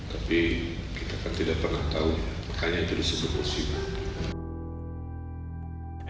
tapi kita kan tidak pernah tahu makanya itu disebut oksigen